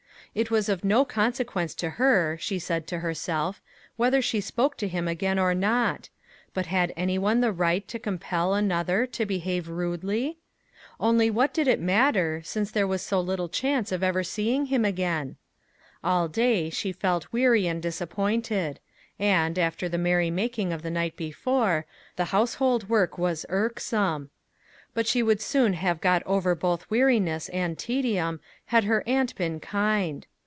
It was of no consequence to her, she said to herself, whether she spoke to him again or not; but had any one the right to compel another to behave rudely? Only what did it matter, since there was so little chance of her ever seeing him again! All day she felt weary and disappointed, and, after the merrymaking of the night before, the household work was irksome. But she would soon have got over both weariness and tedium had her aunt been kind.